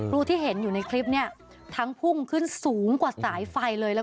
รูที่เห็นอยู่ในคลิปเนี่ยทั้งพุ่งขึ้นสูงกว่าสายไฟเลย